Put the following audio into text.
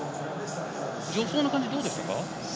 助走の感じはどうでしたか？